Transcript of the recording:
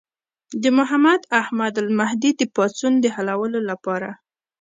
د محمد احمد المهدي د پاڅون د حلولو لپاره.